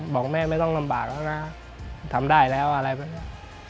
บอกแม่ไม่ต้องลำบากแล้วนะทำได้แล้วอะไรแบบนี้